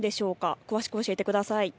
詳しく教えてください。